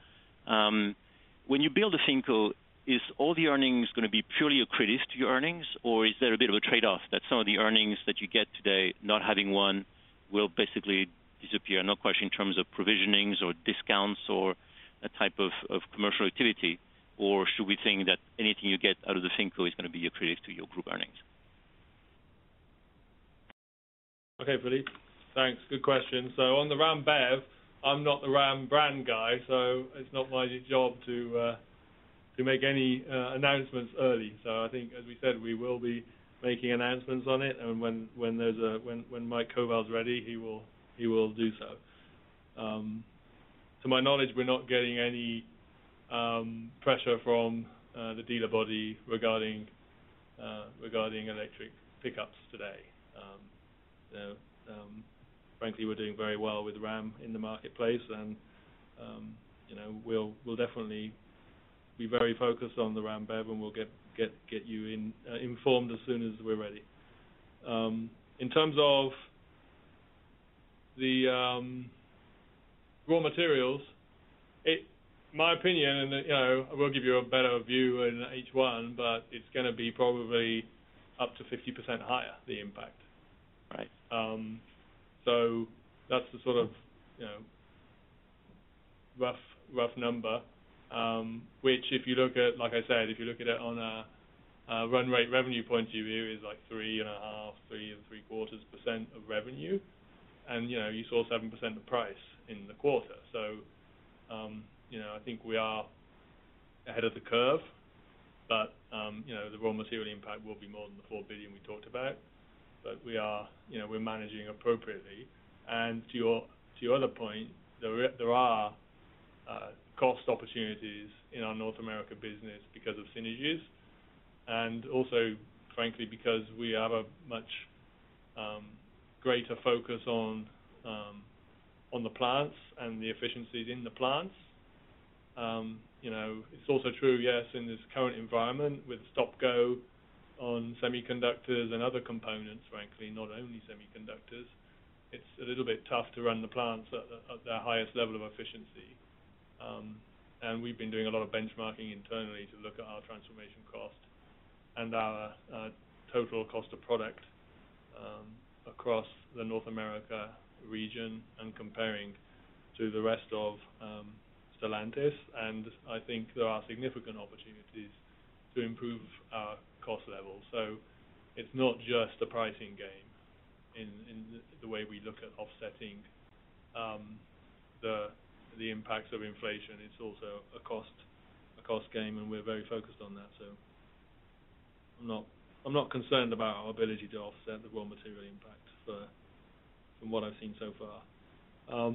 when you build a Finco, is all the earnings gonna be purely accretive to your earnings, or is there a bit of a trade-off that some of the earnings that you get today not having one will basically disappear? Not quite sure in terms of provisionings or discounts or a type of commercial activity, or should we think that anything you get out of the Finco is gonna be accretive to your group earnings? Okay, Philippe. Thanks. Good question. On the Ram BEV, I'm not the Ram brand guy, so it's not my job to make any announcements early. I think, as we said, we will be making announcements on it. When Mike Koval's ready, he will do so. To my knowledge, we're not getting any pressure from the dealer body regarding electric pickups today. Frankly, we're doing very well with Ram in the marketplace and, you know, we'll definitely be very focused on the Ram BEV, and we'll get you informed as soon as we're ready. In terms of the raw materials, my opinion, you know, I will give you a better view in H1, but it's gonna be probably up to 50% higher, the impact. Right. That's the sort of, you know, rough number, which if you look at it on a run rate revenue point of view, is like 3.5-3.75% of revenue. You know, you saw 7% of price in the quarter. You know, I think we are ahead of the curve, but you know, the raw material impact will be more than the 4 billion we talked about. We are, you know, we're managing appropriately. To your other point, there are cost opportunities in our North America business because of synergies and also frankly, because we have a much greater focus on the plants and the efficiencies in the plants. You know, it's also true, yes, in this current environment with stop-go on semiconductors and other components, frankly, not only semiconductors, it's a little bit tough to run the plants at their highest level of efficiency. We've been doing a lot of benchmarking internally to look at our transformation cost and our total cost of product across the North America region and comparing to the rest of Stellantis. I think there are significant opportunities to improve our cost levels. It's not just a pricing game in the way we look at offsetting the impacts of inflation. It's also a cost game, and we're very focused on that. I'm not concerned about our ability to offset the raw material impact from what I've seen so far.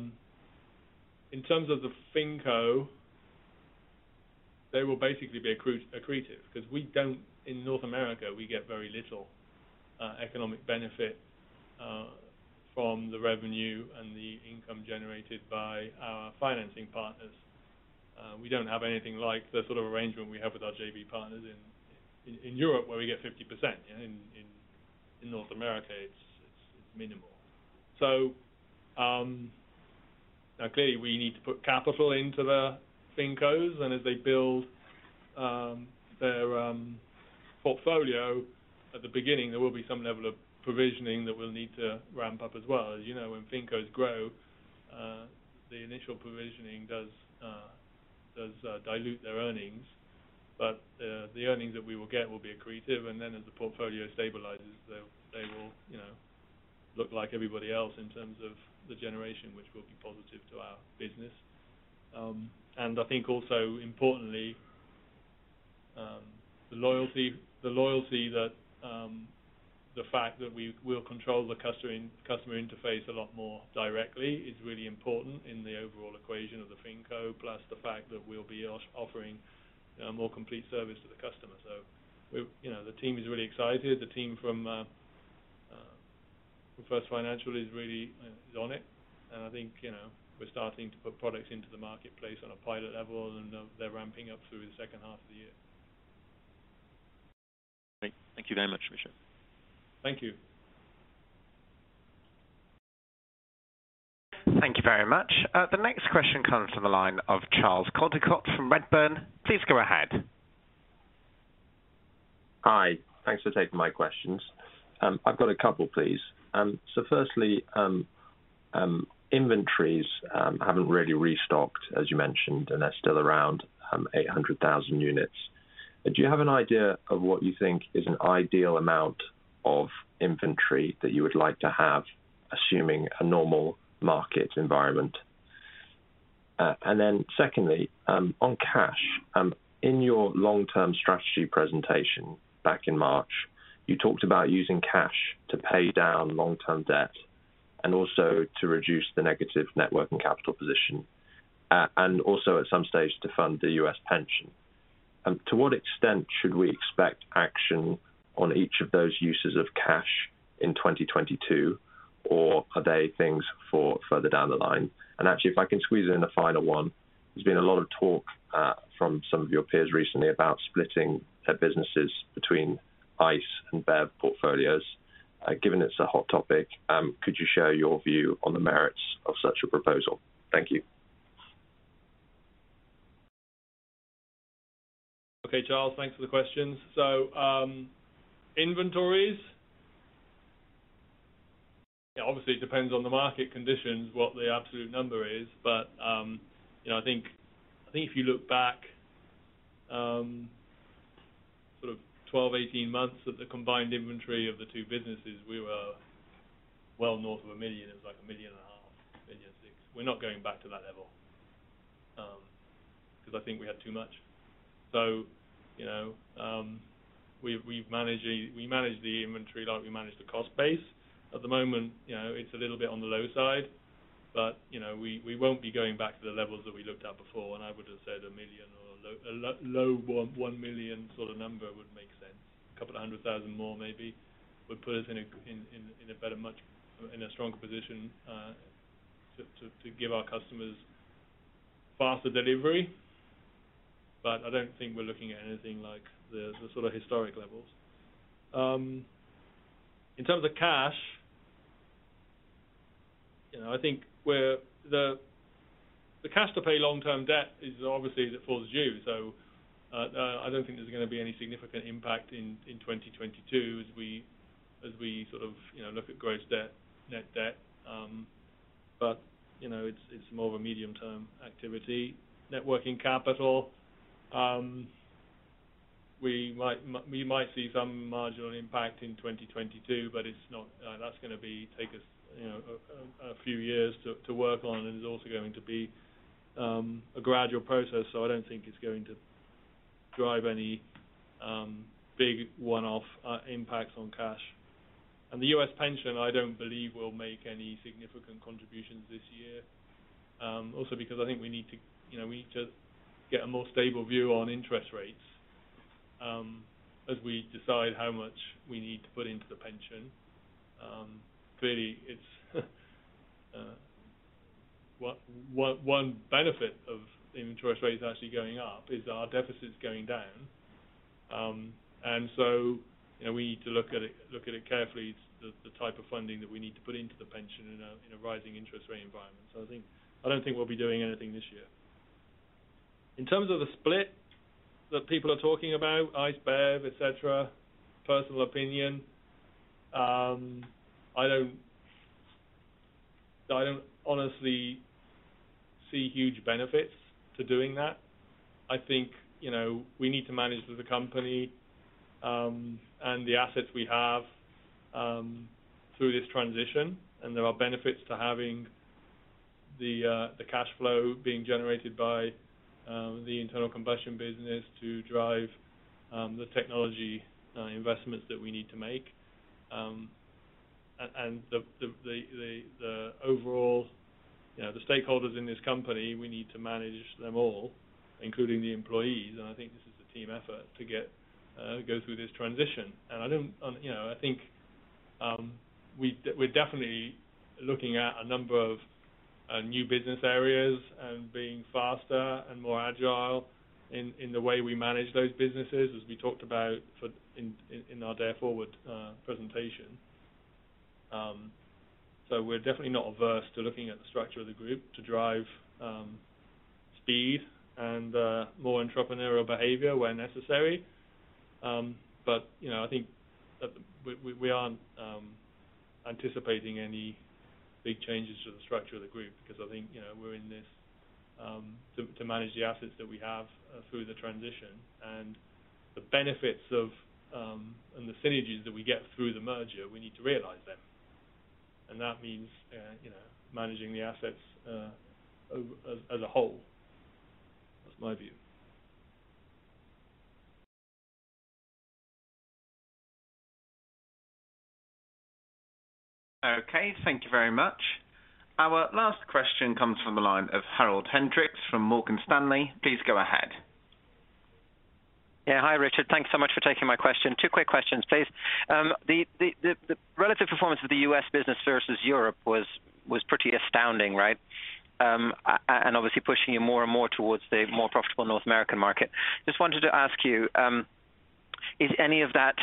In terms of the Finco, they will basically be accretive because in North America, we get very little economic benefit from the revenue and the income generated by our financing partners. We don't have anything like the sort of arrangement we have with our JV partners in Europe where we get 50%. In North America, it's minimal. Now clearly we need to put capital into the Fincos, and as they build their portfolio at the beginning, there will be some level of provisioning that we'll need to ramp up as well. As you know, when Fincos grow, the initial provisioning does dilute their earnings, but the earnings that we will get will be accretive. As the portfolio stabilizes, they will, you know, look like everybody else in terms of the generation which will be positive to our business. I think also importantly, the loyalty that the fact that we will control the customer interface a lot more directly is really important in the overall equation of the Finco, plus the fact that we'll be offering a more complete service to the customer. You know, the team is really excited. The team from First Financial is really on it. I think, you know, we're starting to put products into the marketplace on a pilot level, and they're ramping up through the H2 of the year. Great. Thank you very much, Michael. Thank you. Thank you very much. The next question comes from the line of Charles Coldicott from Rothschild & Co. Please go ahead. Hi. Thanks for taking my questions. I've got a couple, please. First, inventories haven't really restocked, as you mentioned, and they're still around 800,000 units. Do you have an idea of what you think is an ideal amount of inventory that you would like to have, assuming a normal market environment? Second, on cash, in your long-term strategy presentation back in March, you talked about using cash to pay down long-term debt and also to reduce the negative net working capital position, and also at some stage to fund the U.S. pension. To what extent should we expect action on each of those uses of cash in 2022? Or are they things for further down the line? Actually, if I can squeeze in a final one, there's been a lot of talk from some of your peers recently about splitting their businesses between ICE and BEV portfolios. Given it's a hot topic, could you share your view on the merits of such a proposal? Thank you. Okay, Charles, thanks for the questions. Inventories. Obviously, it depends on the market conditions, what the absolute number is. You know, I think if you look back, sort of 12 months, 18 months at the combined inventory of the two businesses, we were well north of 1 million. It was like 1.5 million, 1.6 million. We're not going back to that level. Because I think we had too much. You know, we've managed the inventory like we manage the cost base. At the moment, you know, it's a little bit on the low side, but you know, we won't be going back to the levels that we looked at before. I would have said 1 million or a low 1 million sort of number would make sense. 200,000 more maybe would put us in a stronger position to give our customers faster delivery. I don't think we're looking at anything like the sort of historic levels. In terms of cash, you know, I think the cash to pay long-term debt is obviously as it falls due. I don't think there's gonna be any significant impact in 2022 as we sort of, you know, look at gross debt, net debt, but you know, it's more of a medium-term activity. Net working capital, we might see some marginal impact in 2022, but it's not. That's going to take us, you know, a few years to work on, and it's also going to be a gradual process, so I don't think it's going to drive any big one-off impacts on cash. The U.S. pension, I don't believe will make any significant contributions this year. Also because I think we need to, you know, get a more stable view on interest rates as we decide how much we need to put into the pension. Clearly, one benefit of interest rates actually going up is our deficit's going down. You know, we need to look at it carefully, the type of funding that we need to put into the pension in a rising interest rate environment. I think, I don't think we'll be doing anything this year. In terms of the split that people are talking about, ICE, BEV, et cetera, personal opinion, I don't honestly see huge benefits to doing that. I think, you know, we need to manage the company, and the assets we have, through this transition, and there are benefits to having the cash flow being generated by the internal combustion business to drive the technology investments that we need to make. And the overall, you know, the stakeholders in this company, we need to manage them all, including the employees, and I think this is a team effort to go through this transition. I don't you know I think we're definitely looking at a number of new business areas and being faster and more agile in the way we manage those businesses, as we talked about in our Dare Forward presentation. We're definitely not averse to looking at the structure of the group to drive speed and more entrepreneurial behavior where necessary. You know I think we aren't anticipating any big changes to the structure of the group because I think you know we're in this to manage the assets that we have through the transition. The benefits of and the synergies that we get through the merger we need to realize them. That means you know managing the assets as a whole. That's my view. Okay. Thank you very much. Our last question comes from the line of Harald Hendrikse from Morgan Stanley. Please go ahead. Yeah. Hi, Richard. Thanks so much for taking my question. Two quick questions, please. The relative performance of the U.S. business versus Europe was pretty astounding, right? Obviously pushing you more and more towards the more profitable North American market. Just wanted to ask you, is any of that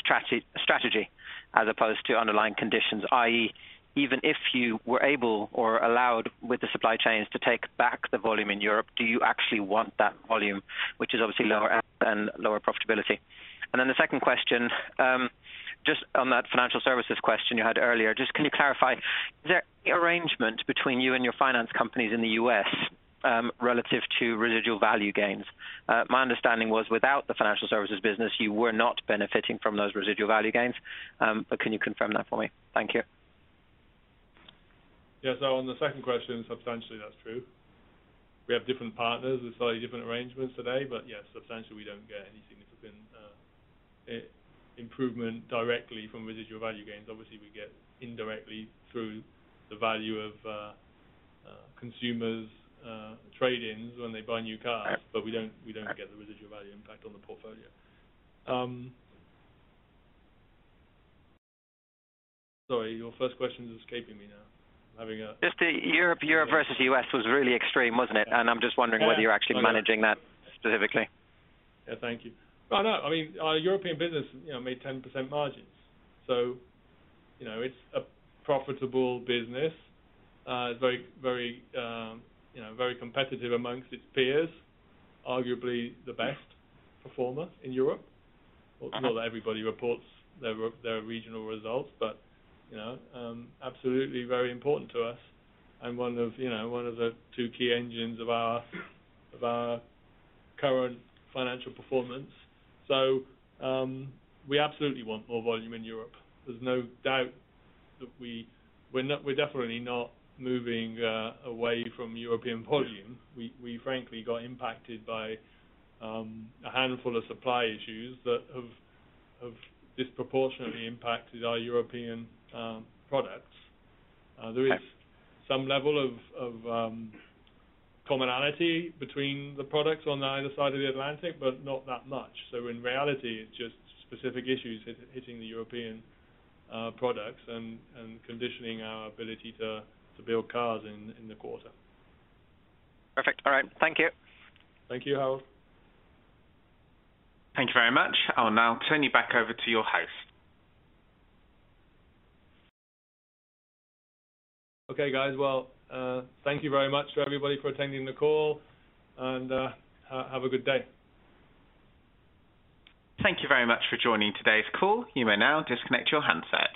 strategy as opposed to underlying conditions, i.e., even if you were able or allowed with the supply chains to take back the volume in Europe, do you actually want that volume, which is obviously lower and lower profitability? The second question, just on that financial services question you had earlier, just can you clarify, is there any arrangement between you and your finance companies in the U.S., relative to residual value gains? My understanding was without the financial services business, you were not benefiting from those residual value gains. But can you confirm that for me? Thank you. Yeah. On the second question, substantially, that's true. We have different partners with slightly different arrangements today, but yeah, substantially, we don't get any significant improvement directly from residual value gains. Obviously, we get indirectly through the value of consumers' trade-ins when they buy new cars, but we don't get the residual value impact on the portfolio. Sorry, your first question is escaping me now. I'm having a- Just the Europe versus U.S. was really extreme, wasn't it? I'm just wondering whether you're actually managing that specifically. Yeah. Thank you. Well, no. I mean, our European business, you know, made 10% margins, so, you know, it's a profitable business. Very competitive among its peers, arguably the best performer in Europe. Well, not everybody reports their regional results, but, you know, absolutely very important to us and one of, you know, one of the two key engines of our current financial performance. We absolutely want more volume in Europe. There's no doubt that we're not, we're definitely not moving away from European volume. We frankly got impacted by a handful of supply issues that have disproportionately impacted our European products. There is some level of commonality between the products on either side of the Atlantic, but not that much. In reality, it's just specific issues hitting the European products and conditioning our ability to build cars in the quarter. Perfect. All right. Thank you. Thank you, Harald. Thank you very much. I will now turn you back over to your host. Okay, guys. Well, thank you very much for everybody for attending the call, and have a good day. Thank you very much for joining today's call. You may now disconnect your handsets.